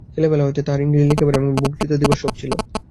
ছেলেবেলা হইতে তাঁর ইংরেজি লিখিবার এবং বক্তৃতা দিবার শখ ছিল।